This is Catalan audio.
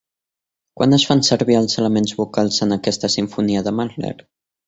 Quan es fan servir els elements vocals en aquesta simfonia de Mahler?